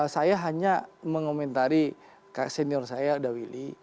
saya hanya mengomentari ke senior saya dawili